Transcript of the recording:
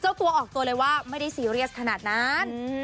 ตัวออกตัวเลยว่าไม่ได้ซีเรียสขนาดนั้น